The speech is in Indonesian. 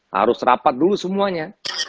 harus rapat dulu semuanya